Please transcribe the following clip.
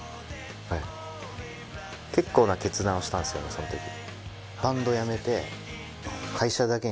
そのとき。